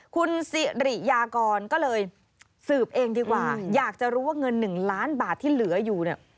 คุณสิริยากรก็เลยสืบเองดีกว่าอยากจะรู้ว่าเงิน๑ล้านบาทที่เหลืออยู่เนี่ย